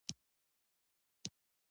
غړي یې له سترو ځمکوالو له منځه ټاکل کېدل